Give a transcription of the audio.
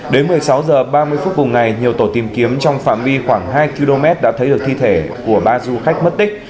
đến một mươi sáu h ba mươi phút cùng ngày nhiều tổ tìm kiếm trong phạm vi khoảng hai km đã thấy được thi thể của ba du khách mất tích